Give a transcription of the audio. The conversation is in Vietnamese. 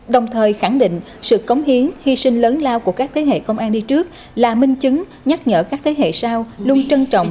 đồng thời khẳng định sự cống hiến hy sinh lớn lao của các thế hệ công an đi trước là minh chứng nhắc nhở các thế hệ sau luôn trân trọng